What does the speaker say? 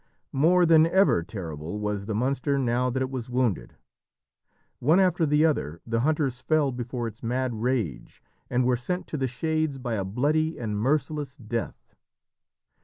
More than ever terrible was the monster now that it was wounded. One after the other the hunters fell before its mad rage, and were sent to the shades by a bloody and merciless death.